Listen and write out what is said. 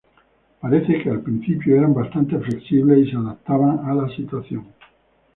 Parece que al principio eran bastante flexibles y se adaptaban a la situación.